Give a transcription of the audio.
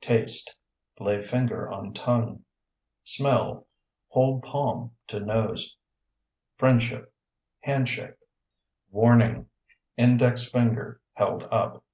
Taste (Lay finger on tongue). Smell (Hold palm to nose). Friendship (Hand shake). Warning (Index finger held up).